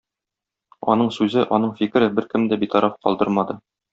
Аның сүзе, аның фикере беркемне дә битараф калдырмады.